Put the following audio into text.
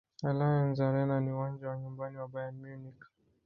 allianz arena ni uwanja wa nyumbani wa bayern munich